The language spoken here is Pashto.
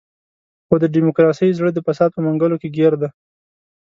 خو د ډیموکراسۍ زړه د فساد په منګولو کې ګیر دی.